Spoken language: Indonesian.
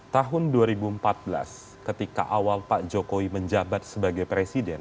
tahun dua ribu empat belas ketika awal pak jokowi menjabat sebagai presiden